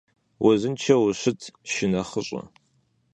Узыншэу ущыт шынэхъыщӀэ!